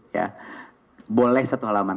ya boleh satu halaman